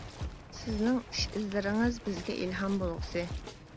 سىزنىڭ ئىش ئىزلىرىڭىز بىزگە ئىلھام بولغۇسى.